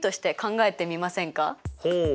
ほう。